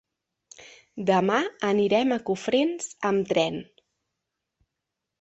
Demà anirem a Cofrents amb tren.